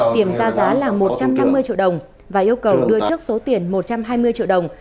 tiền ra giá là một trăm năm mươi triệu đồng và yêu cầu đưa trước số tiền một trăm hai mươi triệu đồng